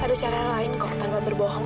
ada cara lain kok tanpa berbohong